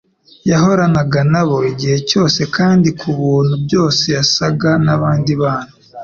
yahoranaga nabo igihe cyose, kandi ku bintu byose yasaga n'abandi bana;